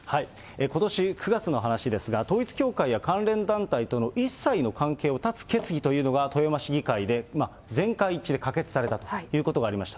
ことし９月の話ですが、統一教会や関連団体との一切の関係を断つ決議というのが、富山市議会で、全会一致で可決されたということがありました。